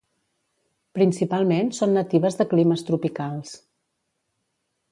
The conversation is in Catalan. Principalment són natives de climes tropicals.